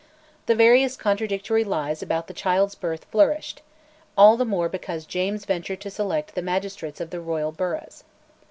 The various contradictory lies about the child's birth flourished, all the more because James ventured to select the magistrates of the royal burghs.